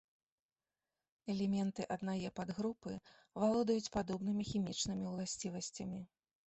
Элементы аднае падгрупы валодаюць падобнымі хімічнымі ўласцівасцямі.